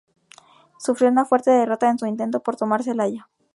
Sufrió una fuerte derrota en su intento por tomar Celaya.